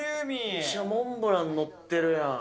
めっちゃモンブラン載ってるやん。